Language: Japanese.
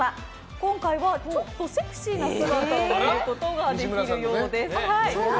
今回はちょっとセクシーな姿を見ることができるようです。